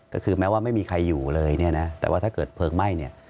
ก็คือแม้ว่าไม่มีใครอยู่เลยแต่ว่าถ้าเกิดเพลิงไหม้